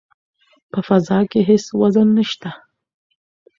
په فضا کې هیڅ وزن نشته.